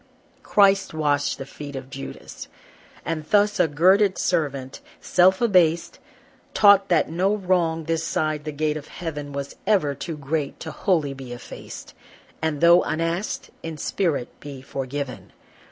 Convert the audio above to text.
Christ washed the feet of Judas! And thus a girded servant, self abased, Taught that no wrong this side the gate of heaven Was ever too great to wholly be effaced, And though unasked, in spirit be forgiven.